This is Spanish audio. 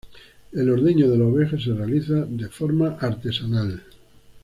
El ordeño de la oveja se realiza de forma artesanal.